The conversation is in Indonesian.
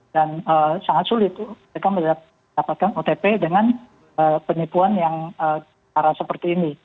dan sangat sulit mereka mendapatkan otp dengan penipuan yang secara seperti ini